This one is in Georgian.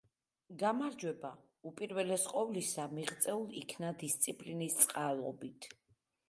გამარჯვება, უპირველეს ყოვლისა, მიღწეულ იქნა დისციპლინის წყალობით.